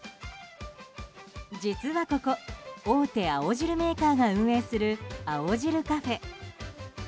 実はここ大手青汁メーカーが運営する青汁カフェ。